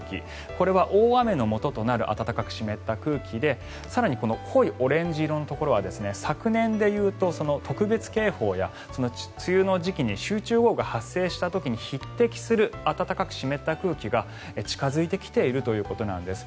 これは大雨のもととなる暖かく湿った空気で更に濃いオレンジ色のところは昨年でいうと特別警報や梅雨の時期に集中豪雨が発生した時に匹敵する、暖かく湿った空気が近付いてきているということなんです。